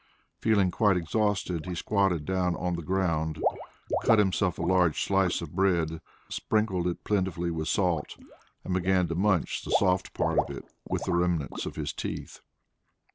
Feeling quite exhausted, he squatted down on the ground, cut himself a large slice of bread, sprinkled it plentifully with salt, and began to munch the soft part of it with the remnants of his teeth.